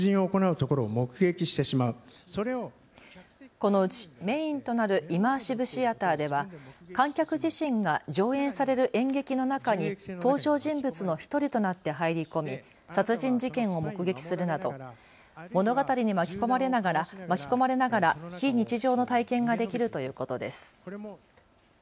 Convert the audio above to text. このうちメインとなるイマーシブシアターでは観客自身が上演される演劇の中に登場人物の１人となって入り込み殺人事件を目撃するなど物語に巻き込まれながら非日常の体験ができるということです。